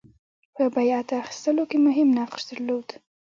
په بیعت اخیستلو کې مهم نقش درلود.